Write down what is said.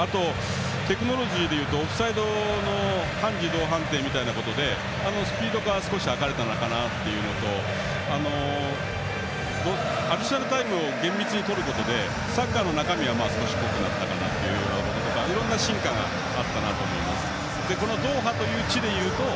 テクノロジーでいうとオフサイドの半自動判定みたいなことでスピードが少し上がったのかなというのとアディショナルタイムを厳密にとることでサッカーの中身が少し濃くなったかなというかいろんな進化があったと思います。